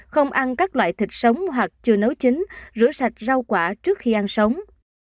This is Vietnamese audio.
không ăn các loại thịt sống hoặc chưa nấu chín rửa sạch rau quả trước khi ăn sống